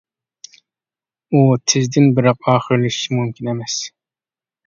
ئۇ تېزدىن بىراق ئاخىرلىشىشى مۇمكىن ئەمەس.